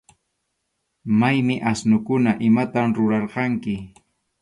¿Maymi asnukuna? ¿Imatam rurarqurqanki?